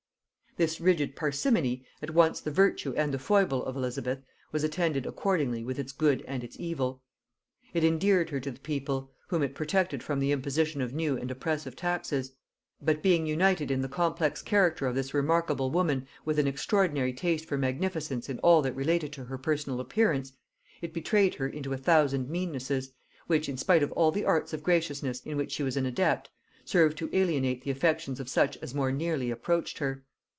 This rigid parsimony, at once the virtue and the foible of Elizabeth, was attended accordingly with its good and its evil. It endeared her to the people, whom it protected from the imposition of new and oppressive taxes; but, being united in the complex character of this remarkable woman with an extraordinary taste for magnificence in all that related to her personal appearance, it betrayed her into a thousand meannesses, which, in spite of all the arts of graciousness in which she was an adept, served to alienate the affections of such as more nearly approached her.